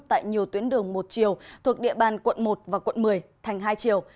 tại nhiều tuyến đường một chiều thuộc địa bàn quận một và quận một mươi thành hai chiều